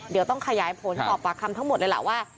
เดี๋ยวต้องขยายผลสอบปากคำทั้งหมดเลยล่ะว่า